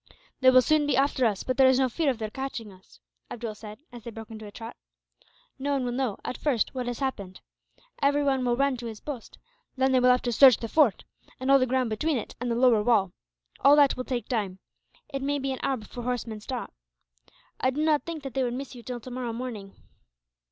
"They will soon be after us, but there is no fear of their catching us," Abdool said, as they broke into a trot. "No one will know, at first, what has happened. Everyone will run to his post; then they will have to search the fort, and all the ground between it and the lower wall. All that will take time. It may be an hour before horsemen start. "I did not think that they would miss you till tomorrow morning."